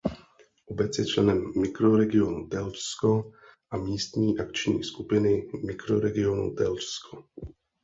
Obec je členem Mikroregionu Telčsko a místní akční skupiny Mikroregionu Telčsko.